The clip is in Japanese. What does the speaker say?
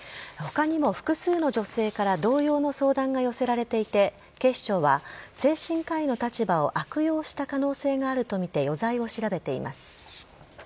ほかにも複数の女性から同様の相談が寄せられていて、警視庁は、精神科医の立場を悪用した可能性があると見て余罪を調べています。